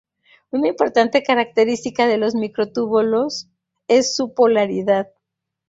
Una importante característica de los microtúbulos es su polaridad.